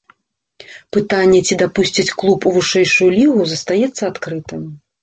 Пытанне, ці дапусцяць клуб у вышэйшую лігу, застаецца адкрытым.